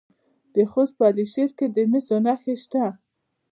د خوست په علي شیر کې د مسو نښې شته.